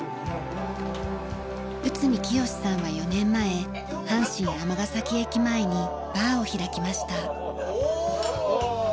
内海清さんは４年前阪神尼崎駅前にバーを開きました。